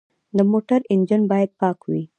د موټر انجن باید پاک وي.